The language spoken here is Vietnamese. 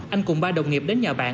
anh cùng ba đồng nghiệp đến nhà bạn